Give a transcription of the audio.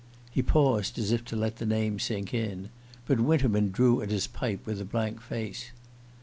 He paused, as if to let the name sink in, but Winterman drew at his pipe with a blank face.